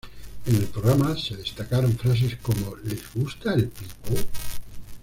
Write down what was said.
En el programa se destacaron frases como "¿Les gusta el Pipo?